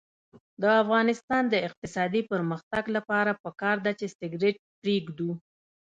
د افغانستان د اقتصادي پرمختګ لپاره پکار ده چې سګرټ پریږدو.